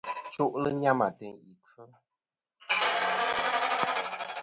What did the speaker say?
Chu'lɨ nyam ateyn ì kfɨ.